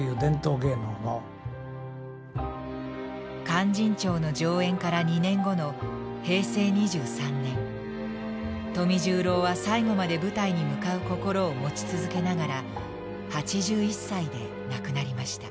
「勧進帳」の上演から２年後の平成２３年富十郎は最後まで舞台に向かう心を持ち続けながら８１歳で亡くなりました。